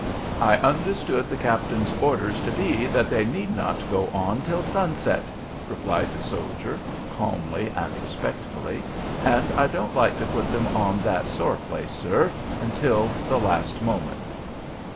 "I understood the captain's orders to be that they need not go on till sunset," replied the soldier, calmly and respectfully, "and I don't like to put them on that sore place, sir, until the last moment."